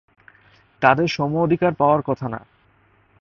তাঁদের সমঅধিকার পাওয়ার কথা না।